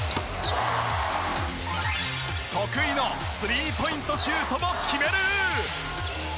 得意のスリーポイントシュートも決める！